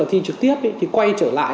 thi trực tiếp thì quay trở lại